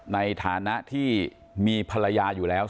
ในฐานะที่มีภรรยาอยู่แล้ว